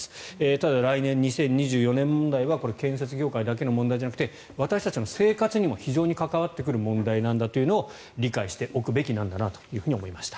ただ、来年、２０２４年問題は建設業界だけの問題じゃなくて私たちの生活にも非常に関わってくる問題だというのを理解しておくべきなのかなと思いました。